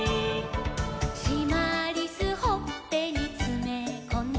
「しまりすほっぺにつめこんで」